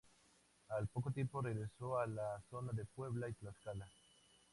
Al poco tiempo regresó a la zona de Puebla y Tlaxcala.